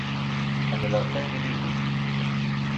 Ḥemmleɣ tanglizit.